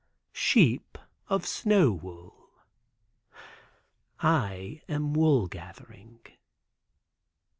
Sheep of snow wool." I am wool gathering.